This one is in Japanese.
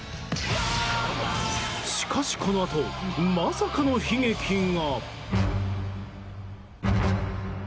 しかし、このあとまさかの悲劇が。